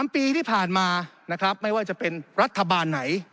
๓ปีที่ผ่านมานะครับไม่ว่าจะเป็นรัฐบาลไหน